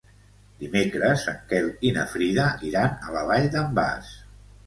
Dimecres en Quel i na Frida iran a la Vall d'en Bas.